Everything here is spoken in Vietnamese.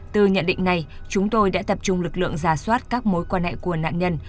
từ nhận định này chúng tôi đã tập trung lực lượng ra soát các mối quan hệ của nạn nhân